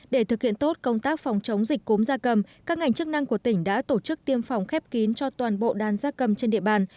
để thực hiện tốt công tác phòng chống dịch cúm gia cầm các ngành chức năng của tỉnh đã tổ chức tiêm phòng khép kín cho toàn bộ đàn gia cầm trên địa bàn